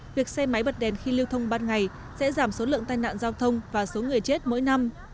việc xe máy bật đèn khi lưu thông ban ngày sẽ giảm số lượng tai nạn giao thông và số người chết mỗi năm